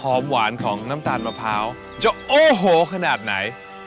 หอมหวานของน้ำตาลมะพร้าวจะโอ้โหขนาดไหน